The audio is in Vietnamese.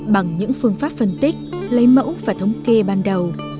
bằng những phương pháp phân tích lấy mẫu và thống kê ban đầu